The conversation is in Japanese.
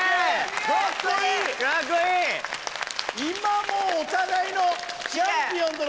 今もうお互いの。